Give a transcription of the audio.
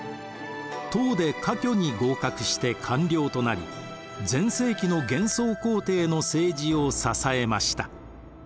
唐で科挙に合格して官僚となり全盛期の玄宗皇帝の政治を支えました。